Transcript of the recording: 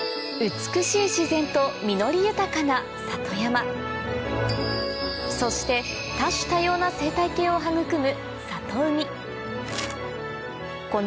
美しい自然と実り豊かなそして多種多様な生態系を育む